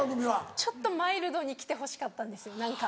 ちょっとマイルドに来てほしかったんですよ何か。